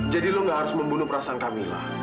jadi lo gak harus membunuh perasaan camilla